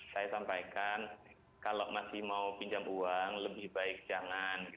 saya sampaikan kalau masih mau pinjam uang lebih baik jangan